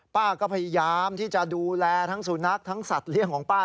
ป้าก็พยายามที่จะดูแลทั้งสุนัขทั้งสัตว์เลี้ยงของป้า